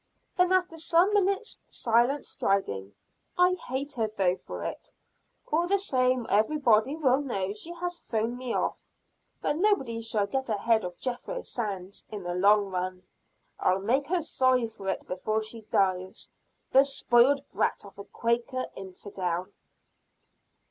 Then after some minutes' silent striding, "I hate her though for it, all the same. Everybody will know she has thrown me off. But nobody shall get ahead of Jethro Sands in the long run. I'll make her sorry for it before she dies, the spoiled brat of a Quaker infidel!"